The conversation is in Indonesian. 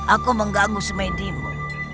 aku mengganggu semedimu